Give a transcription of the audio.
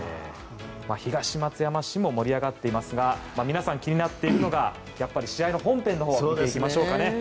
東松山市も盛り上がっていますが皆さん、気になっているのがやっぱり試合の本編のほうを見ていきましょうかね。